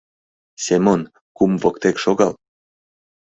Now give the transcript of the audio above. — Семон кум воктек шогал!..